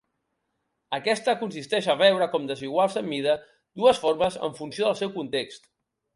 Aquesta consisteix a veure com desiguals en mida dues formes en funció del seu context.